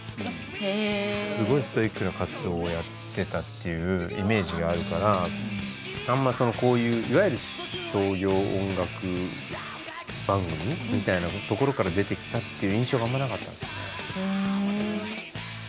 すごいストイックな活動をやってたっていうイメージがあるからあんまそのこういういわゆる商業音楽番組みたいなところから出てきたっていう印象があんまなかったんですよね。